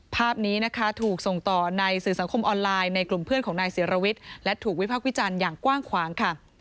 ภาพนี้นะคะถูกส่งต่อในสื่อสังคมออนไลน์ในกลุ่มเพื่อนของนายศิรวิทย์และถูกวิพักษ์วิจารณ์อย่างกว้างขวางค่ะ